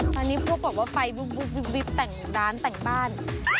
ตอนนี้พวกบอกว่าไปวุบวิบแต่งร้านแต่งบ้าน